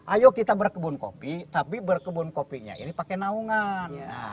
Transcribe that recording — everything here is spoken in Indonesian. ayo kita berkebun kopi tapi berkebun kopinya ini pakai naungan